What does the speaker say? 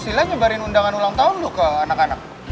sila nyebarin undangan ulang tahun loh ke anak anak